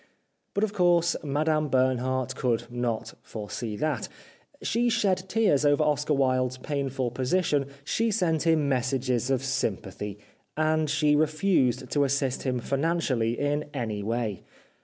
But, of course, Madame Bernhardt could not foresee that. She shed tears over Oscar Wilde's painful position, she sent him messages of sympathy, and she refused to assist him financially in any way.